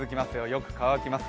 よく乾きます。